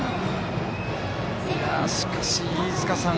しかし、飯塚さん